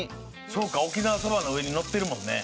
そうか沖縄そばの上にのってるもんね。